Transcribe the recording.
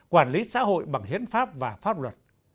quản lý xã hội bằng hiến pháp và pháp luật